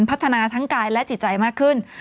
พัฒนาทั้งกายและจิตใจมากขึ้น